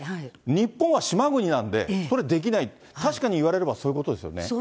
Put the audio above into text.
日本は島国なんで、それできない、確かに言われればそういうことですよね。